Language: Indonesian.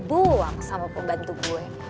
buang sama pembantu gue